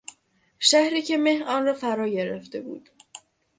شهری که مه آن را فراگرفته بود